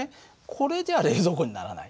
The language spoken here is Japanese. これじゃ冷蔵庫にならない。